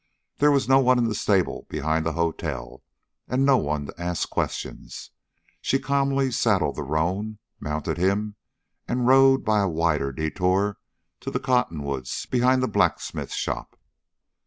There was no one in the stable behind the hotel, and no one to ask questions. She calmly saddled the roan, mounted him, and rode by a wider detour to the cottonwoods behind the blacksmith shop.